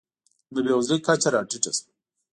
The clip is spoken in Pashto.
د بېوزلۍ کچه راټیټه شوه.